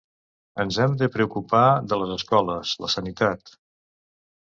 Ens hem de preocupar de les escoles, la sanitat.